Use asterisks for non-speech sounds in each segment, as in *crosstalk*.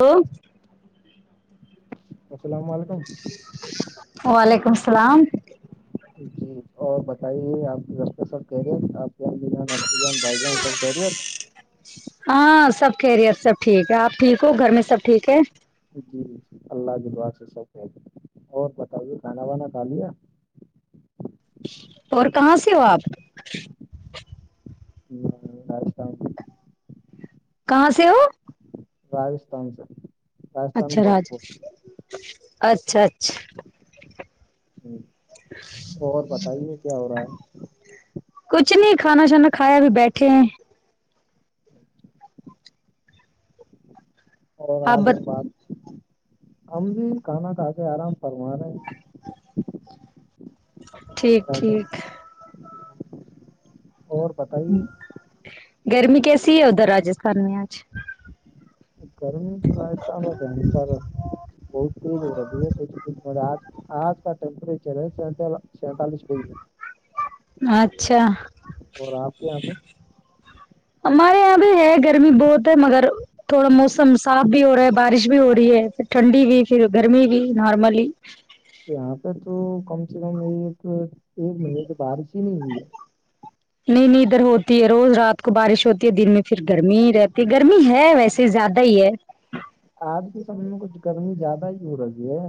ہوں السلام وعلیکم وعلیکم السلام جی اور بتائیے آپ کے گھر پے سب خیر یت آپ کے ابو جان ابو جان بھائی جان سب خیر یت ہاں سب خیریت سب ٹھیک ہے آپ ٹھیک ہو گھر میں سب ٹھیک ہے جی جی اللہ ج اللہا سے سب خیر اور بتائیے کھانا وانا کھا لیا اور کہاں سے ہو آپ آ سام کہاں سے ہو راجستھان سے راجستھان میں اچھا راج بھرپور اچھا اچھ جی، اور بتائیے کیا ہو رہا ہے کچھ نہیں کھانا شھانا کھایا بھی بیٹھے ہیں آپ ب ہمم بھی کھانا کھا کے آرام فرما رہے ہیں ٹھیک کیا ٹھیک کریں۔ اور ہ بتائیے گرمی کیسی ہے ادھر راجستھان میں آج گرمی تو *unintelligible* بہت تیز ہو رہی دہے کچ ک م آج آج *unintelligible* ٹمپرریچر ہے سین سیننالی ڈگری اچھا اور آپ کے یہاں پے ہمارے یہاں بھی ہے گرمی بہت ہے مگر تھوڑا موسم صاف بھی ہو رہا ہے بارش بھی ہو رہی ہے پ ٹھنڈی بھی پھر گرمی بھی نارملی یہاں پہ تو کم سے کم ایک ایک مہینے تو بارش ہی نہیں ہوئی ہے نہیں نہیں ادھر ہوتی ہے روز رات کو بارش ہوتی ہے دن میں پھر گرمی ہی رہتی ہے گرمی ہے ویسے زیادہ ہی ہے آج کے سمے میں کچھ گرمی زیادہ ہی ہو رہی ہے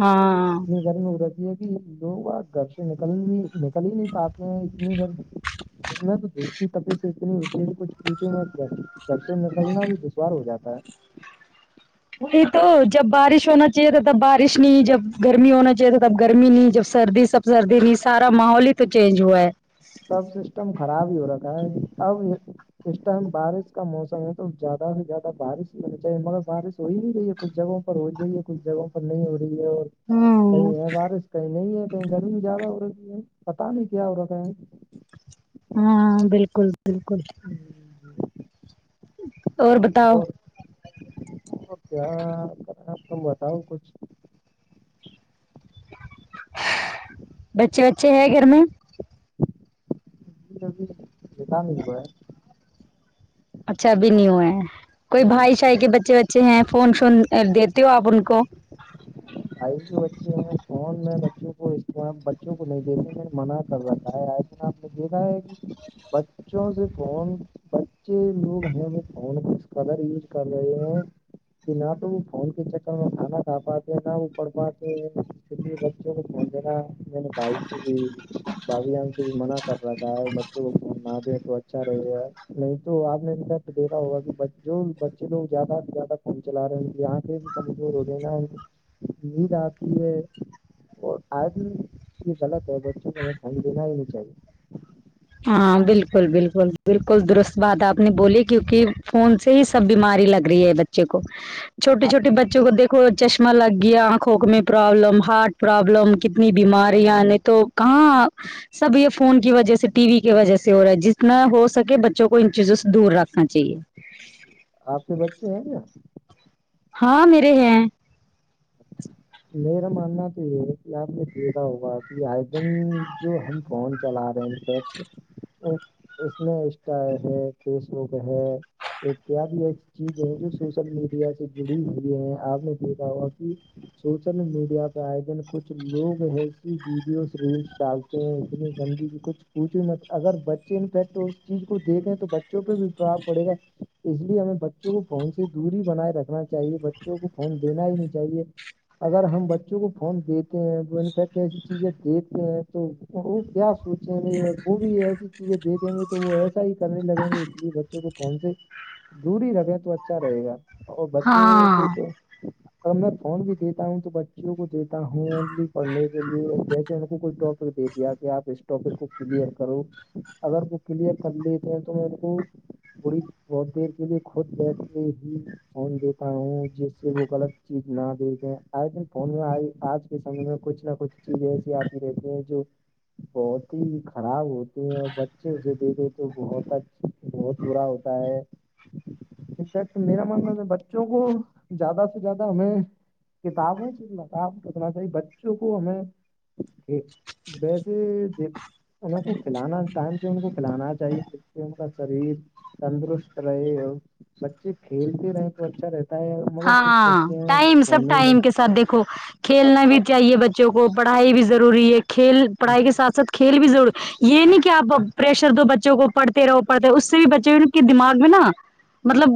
ہاں اتنی گرمی رہتی ہے کہ لوگ آ گھر سے نکل بھی نکل ہی نہیں پاتے ہیں اتنی گرمی اس میں تو دھوپ کی تپی سے اتنی اتنی ہے کچھ پوچو مت گھر سے نکلنا بھی دشوار ہو جاتا ہے وہی تو جب بارش ہونا چاہیے تھا تب بارش نہیں جب گرمی ہونا چاہیے تھا تب گرمی نہیں جب سردی سب سردی میں سارا ماحول ہی تو چینج ہوا ہے سب سسٹم خراب ہی ہو رکھا ہے اب یہ اس ٹائم بارش کا موسم ہے تو زیادہ سے زیادہ بارش ہی ہونی چاہیے مگر بارش ہو ہی نہیں رہی ہے کچھ جگہوں پر ہو جوئی ہے کچھ جگہوں پر نہیں ہو رہی ہے اور ہوں کہیں ہے بارش کہیں نہیں ہے کہیں گرمی زیادہ ہو رہی ہے پتہ نہیں کیا ہو رکھا ہے ہاں بالکل بالکل اور با اور اور کیا کرنا تم بتاؤ کچھ بچے وچے ہے گھر میں *unintelligible* ج ابھی بتا نہیں ہوا ہے اچھا ابھی نہیں ہوا ہے ہے کوئی نہیں، بھائی شائی کے بچے وچے ہیں فون شون دیتے ہو آپ ان کو بھائی کے بچے ہیں فون میں بچوں کو اسے بچوں کو نہیں دتے ہیں منع کر رکھا ہے آج آپ نے دیکھا ہے کہ بچوں سے فون بچے لوگ ہیں وہ فونس کلر یوز کر رہے ہیں کہ نہ تو وہ فون کے چکر میں کھانا کھ پاتے ہیں نہ وہ پڑھ پاتے ہیں *unintelligible* بھائی جان سے بھی منع کر رکھا ہے بچوں کوفون نہ دیں تو اچھا رہے گا نہیں تو آپ نے دیکھا ہوگا کہ جو بچے لوگ زیادہ سے زیادہ فون چلا رہے ہیں یہاں سے بھی کمزور ہوگئے نہ نیند آتی ہے اور آدمی یہ غلط ہے بچوں کو ہمیں فون دینا ہی نہیں چاہیے ہاں بالکل بالکل بالکل درست بات آپ نے بولی کیونکہ فون سے ہی سب بیماری لگ رہی ہے بچے کو چھوٹے چھوٹے بچوں کو دیکھو چشمہ لگ گیا آنکھو میں پروابلم ہارٹ پرابلم کتنی بیماریاں نے تو کہاں سب یہ فون کی وجہ سے ٹی وی کی وجہ سے ہو رہا ہے جتنا ہو سکے بچوں کو ان چیزوں سے دور رکھنا چاہیے آپ کے بچے ہیں کیا ہاں میرے ہیں میرا ماننا تو یہ ہے کہ آپ نے دیکھا ہوگا کہ آئے دن جو ہم فون چلا رہے ہیں اس میں انسٹا ہے فیسبوک ہے احتیاط بھی ایسی چیز ہیں جو سوشل میڈیا سے جڑی ہوئی ہیں آپ نے دیکھا ہوگا کہ سوشل میڈیا پہ آئے دن کچھ لوگ ایسی ویڈیوز ریلس ڈال اتنی گندی کی کچھ پوچھو مت اگر بچے انفیکٹ اس چیز کو دیکھے تو بچے *unintelligible* بھیھاب پڑےا اس لیے ہمیں بچوں کو فون سےی دوری بنائے رکھنا چاہیے بچوں کو فون دینا ہی نہیں چاہیے اگر ہم بچوں کو فون دیتے ہیں انفیکٹ ایسی چیزیں دیتے ہیں تو وہ کیا سوچیں گے وہ بھی ایسی چیزیں دیکھیں گے تو وہ ایسا ہی کرنے لگیں گے اس لیے ب بچوں کو فون سے دور ہی رہے تو اچھا رہے گا اور بچوں کو ہاں تو میں فون بھی دیکھ ہوں تو بچوں کو دیتا ہوں اونلی پڑھنے کے لیے جیسے ان کوئی ٹاپک دے دیا کہ آپ اس ٹوپک کو کلیئر کرو اگر وہ کلیئر کر لیتے ہیں تو انکو *unintelligible* پ پد کے لیے کھود بیٹھتے ہی فون دیتا ہوں جس سے وہ غلط چیز نہ دیکھے آئے دن فون میں آئی آج کے سمے میں کچھ نہ کچھ چیز ایسی آتی دیتے ہیں جو بہت ہی خراب ہوتے ہیں اور بچے اسے دکھے تو بہت اچھا بہت برا ہوتا ہے انفیکٹ میرا ماننا تھا بچوں کو زیادہ سے زیادہ ہمیں کتابوں سے متا رکھنا چاہیے بچوں کو ہمیں ویسے د ان کو کھلانا ٹائم سے ان کو کھلانا چاہیے جس سے ان کا شریر تندرست رہے ہو بچے کھیلتے رہے تو اچھا رہت تا ہے مگر کچھ ہاں بچے ہیں وہ ٹائم سب فون نہیں لے ٹائم کے ساتھ دیکھو کھیلنا بھی چاہیے بچوں کو پڑھائی بھی ضروری ہے کھیل جی پڑھائی کے ساتھ ساتھ کھیل بھی ضرور یہ نہیں کہ آپ پریشر دو بچوں کو پڑھتے ہو پڑھتے رہو اس سے بھی بچے ان کے دماغ میں نا مطلب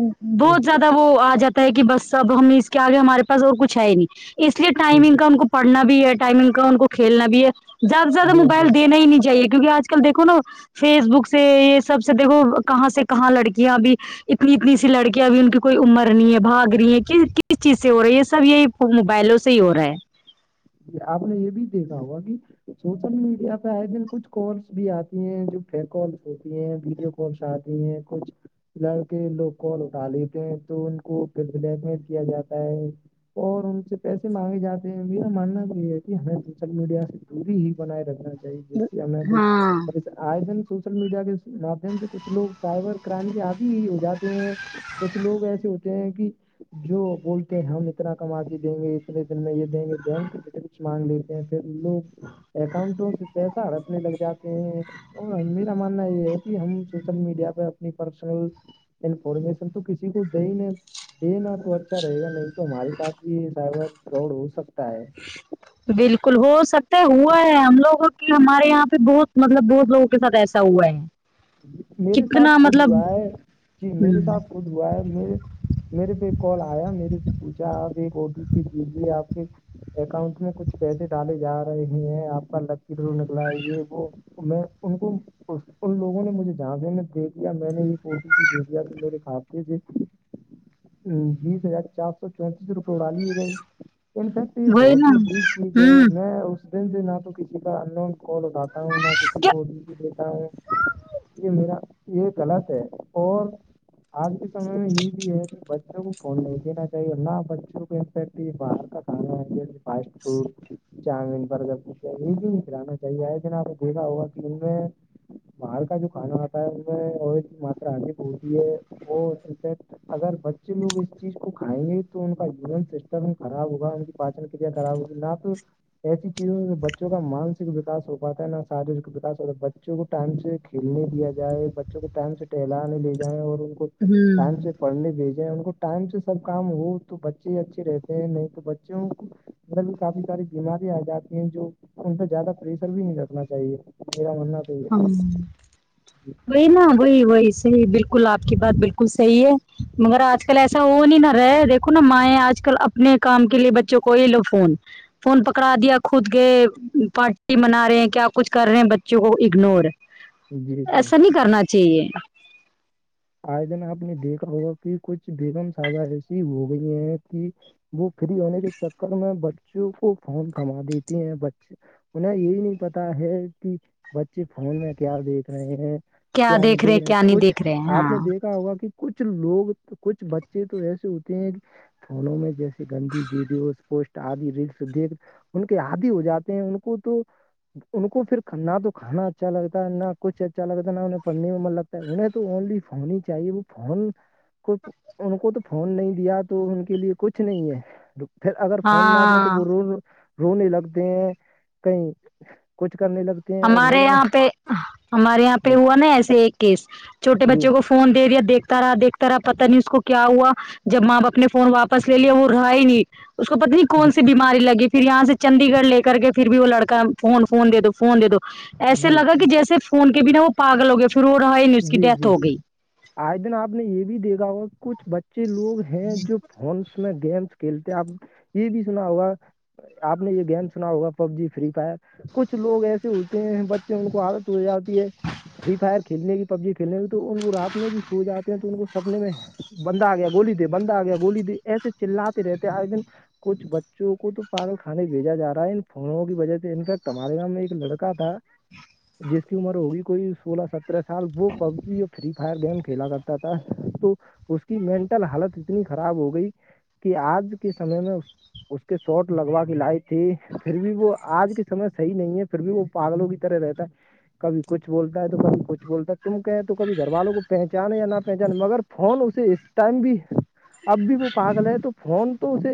جی بہت زیادہ وہ آ جاتا ہے کہ بس اب ہم اس کے آگے ہمارے پاس اور کچھ ہے ہی نہیں اس لیے جی ٹائمنگ کا ہم کو پڑھنا بھی ہے ٹائمنگ کا ان کو کھیلنا بھی ہے زیادہ سے زیادہ جی موبائل جی دینا ہی نہیں چاہیے کیونکہ آج کل دیکھو نا فیس بک سے یہ سب سے دیکھو کہاں سے کہاں لڑکیاں بھی اتنی اتنی سی لڑکیاں ابھی ان کی کوئی عمر نہیں ہے بھاگ رہی ہیں کہ کس چیز سے ہو رہا ہے یہ سب یہی موبائلوں سے ہی ہو رہی ہے جی آپ نے یہ بھی دیکھا ہوگا کہ سوشل میڈیا پہ آئے دن کچھ کالس بھی آتی ہیں جو فیک کالس ہوتی ہیں ویڈیو اور شادی ہے کچھ لڑکے لوگ کال اٹھا لیتے ہیں تو ان کو پھر بلیک مل کیا جاتا ہے اور ان سے پیسے مانگے جاتے ہیں بھی ماننا تو یہ ہے کہ ہمیں سوشل میڈیا سے دوری ہی بنائے رکھنا چاہیے جس سے ہمیں کو ہاں آئے دن سوشل میڈیا کے مادھیم سے کچھ لوگ سائبر کرائم کے آدھی ہی ہو جاتے ہیں کچھ لوگ ایسے ہوتے ہیں کہ جو بولتے ہیں ہم اتنا کما کے دیں گے اتنے دن میں یہ دیں گے بینک ڈٹیلس مانگ لیتے ہیں پھر لوگ اکاؤنٹوں سے پیسہ ہڑپنے لگ جاتے ہیں اور میرا ماننا یہ ہے کہ ہم سوشل میڈیا پہ اپنی پرسنل انفارمیشن تو کسی کو دے ہی نہیں دینا تو اچھا رہے گا نہیں تو ہمارے ساتھ بھی سائبر فراڈ ہو سکتا ہے بالکل ہو سکتا ہے ہوا ہے ہم لوگوں کی ہمارے یہاں پہ بہت مطلب بہت لوگوں کے ساتھ ایسا ہوا ہے میرے ساتھ کتنا خود مطلب ہوا ہے جی ہ میرے ساتھ خود ہوا ہے مے میرے پہ ایک کال آیا میرے سے پوچھا آپ ایک او ٹی آپی دیجیے آپ کے اکاؤنٹ میں کچھ پیسے ڈالے جا رہے ہیں آپ کا لکی رول نکلا ہے یہ وہ میں ان کو ان لوگوں انہوں نے مجھے جاں سے دے دیا میں نے یہ او ٹی پی کی دے دیا میرے کھاتے سے بیس ہزار چار سو چونتیس روپئے اڑالیے گئے انفیکٹ یہ وہی بہت نا ہی بری چیز ہے ہ میں اس سے نہ تو کسی کا اننوں کال اٹاتا ہوں نہ کسی کیا کو دیتا ہوں یہ میرا یہ غلط ہے اور آج کے سمے میں یہ بھی ہے کہ بچوں کو فون نہیں دینا چاہیے نہ بچوں کومفیکٹ یہ باہر کا ہاں فاسٹ فڈ چاؤمین برگر یہ بھی نہیں کلانا چاہیے آئے جن آپ نے دیکھا ہوگا کہ ان میں باہر کا جو کھانا آتا ہے ان میں اور مرا آدک ہوتی ہے وہ ان اگر بچے لوگ اس چیز کو کھائیں گے تو ان کا ایمیون سسٹم خراب ہوگا ان پاچن کیریا خراب ہوتی نہ صرف ایسی چیزوں سے بچوں کا مانسک وکا ہو پاتا ہے نہ شارییرک وکا ہو بچوں کو ٹائم سے کھیلنے دیا جائے بچوں کو ٹائم سے ٹہلانے لے جائیں اور ان کو ہ ٹائم سے پڑھنے بھیجیں ان کو ٹائم سے سب کام ہو تو بچے اچھے رہتے ہیں نہیں تو بچوں کو مطلب کافی ساری بیماریاں آ جاتی ہیں جو ان پہ زیادہ پریشر بھی نہیں رکھنا چاہیے میرا مننا ہاں وہی نا وہی وہی صحیح بالکل آپ کی بات بالکل صحیح ہے مگر آج کل ایسا ہو نہیں نہ رہا دیکھو نا مائیں آج کل اب اپنے کام کے لیے بچوں کو یہ لو فون فون پکڑا دیا خود گئے پارٹی منا رہے کیا کچھ کر رہے ہیں بچوں کو اگنور جی جی ایسا نہیں کرنا چاہیے آئے دن آپ نے دیکھا ہوگا کہ کچھ بیگم صاحب ایسی ہو گئی ہیں کہ وہ فری ہونے کے چکر میں بچوں کو فون تھما دیتی ہیں بچے انہیں یہی نہیں پتا ہے کہ بچے فون میں کیا دیکھ رہے ہیں کیا آنی دیکھ رہے ہیں ج کیا نہیں کچھ دیکھ رہے ہیں۔ ہاں ا ہوگا کہ کچھ لوگ کچھ بچے تو ایسے ہوتے ہیں کہ فونوں میں جیس گندی ویڈیوز پوسٹ آدی ریلس دیکھ ان کے عادی ہو جاتے ہیں ان کو تو ان کو پھر نہ تو کھانا اچھا لگتا ہے نہ کچھ اچھا لگتا نہ انہیں پڑھنے میں من لگتا ہے انہیں تو اونلی فنی ہی چاہیے وہ فون کو ان کو تو فون نہیں دیا تو ان کے لیے کچھ نہیں ہے پھر اگر فون نہ دیں تو ہاں وہ روینگے رونے لگتے ہیں کہیں کچھ کرنے لگ ہمارے یہاں پہ ہمارے یہاں پہ جی ہوا نا ایسے ایک کیس چھٹے بچوں کو فون دے دیا دیکھتا رہا دیکھتا رہا پتہ نہیں اس کو کیا ہوا جب ماں باپ اپنے فون واپس لے لیا وہ رہا ہی نہیں اس کو پتہ نہیں جی کون سی بیماری لگی پھر یہاں سے چنڈی گڑھ لے کر گیے پھر بھی وہ لڑکا فون فون دے دو فون دے دو ایسے جی لگا کہ جیسے فون کے بنا وہ پاگل ہو گئے پھر وہ رہا ہی نہیں اس کی جی ڈیتھ جی ہو گئی آئے دن آپ نے یہ بھی دیکھا ہوا کچھ بچے لوگ ہیں جو فونس میں گیمس کھیلتے آپ یہ بھی سنا ہوگا آپ نے یہ گیم سنا ہوگا پب جی فری فائر کچھ لوگ ایسے ہوتے ہیں بچے ان کو عادت ہو جاتی ہے فری فائر کھیلنے کی پب جی کھیلنے میں تو ان کو رات میں بھی سو جاتے ہیں دن میں سپنے میں بندہ آ گیا گولی دے بندہ آ گیا گولی دے ایسے چلاتے رہتے آئے دن کچھ بچوں کو تو پاگل کھانے بھیجا جا رہا ہے ان فونوں کی وجہ سے انفیکٹ ہمارے گاؤ میں ایک لڑک کاہتھا جس کی عمر ہوگی کوئی سولہ سترہ سال وہ پب جی یا فری فائر گیم کھیلا کرتا تھا تو اس کی مینٹل حالت اتنی خراب ہو گئی کہ آج کے سمے میں اس کے شاٹ لگوا کے لائی تھی پھر بھی وہ آج کے سمے صحیح نہیں ہے پھر بھی وہ پاگلوں کی طرح رہتا ہے کبھی کچھ بولتا ہے تو کبھی کچھ بولتا تم کہ تو کبھی گھر والوں کو پہچانے یا نہ پہچانے مگر فون اسے اس ٹائم بھی اب بھی وہ پاگل ہے تو فون تو اسے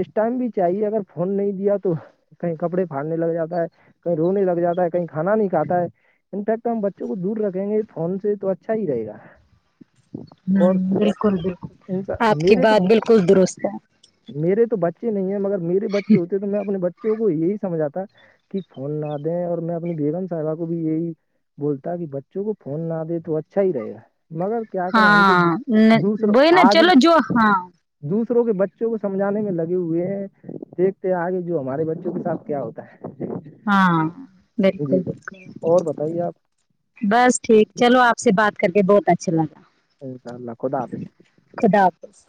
اس ٹائم بھی چاہیے اگر فون نہیں دیا تو کہیں کپڑے پھاٹنے لگ جاتا ہے کہیں رونے لگ جاتا ہے کہیں کھانا نہیں کھاتا ہے انفیکٹ تو ہم بچوں کو دور رکھیں گے فون سے تو اچھا ہی رہے گا امم اور بالکل بالکل انسا آپ کی میرے تو بات بالکل درست ہے میرے تو بچے نہیں ہیں مگر میرے بچے ہوتے تو میں اپنے بچوں کو یہی سمجھاتا کہ فون نہ دیں اور میں اپنی بیگم صاحبہ کو بھی یہی بولتا کہ بچ چوں کو فون نہ دے تو اچھا ہی رہے گا مگر کیا کریں ہم کو ہاں دوسروں وہی نا آج ہی چلو جو ہاں دوسروں کے بچوں کو سمجھانے میں لگے ہوئے ہیں دیکھتے آگے جو ہمارے بچوں کے ساتھ کیا ہوتا ہے ہاں بالکل جی بالکل اور بتائیے آپ بس ٹھیک چلو آپ سے بات کر کے بہت اچھا لگا ان شاء اللہ خدا حافظ خدا حافظ